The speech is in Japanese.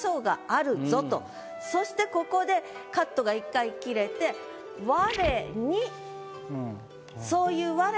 そしてここでカットが一回切れて「我に」。